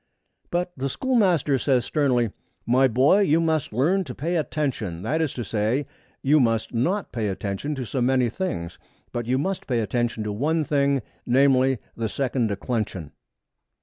But the schoolmaster says sternly, 'My boy, you must learn to pay attention; that is to say, you must not pay attention to so many things, but you must pay attention to one thing, namely, the second declension.'